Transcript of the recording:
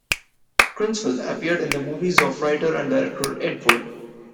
Criswell appeared in the movies of writer and director Ed Wood.